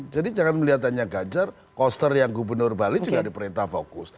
jadi jangan melihat hanya ganjar koster yang gubernur bali juga diperintah fokus